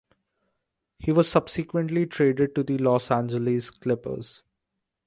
He was subsequently traded to the Los Angeles Clippers.